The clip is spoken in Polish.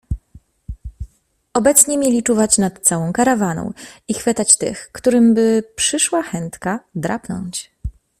Obecnie mieli czuwać nad całą karawaną i chwytać tych, którym by przyszła chętka drapnąć.